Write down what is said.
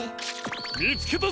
みつけたぞ！